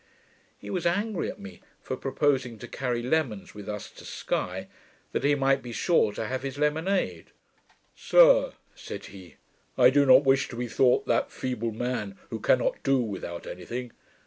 He was angry at me for proposing to carry lemons with us to Sky, that he might be sure to have his lemonade. 'Sir,' said he, 'I do not wish to be thought that feeble man who cannot do without any thing.